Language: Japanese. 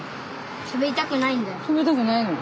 しゃべりたくないんだよ。